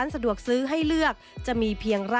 เป็นอย่างไรนั้นติดตามจากรายงานของคุณอัญชาฬีฟรีมั่วครับ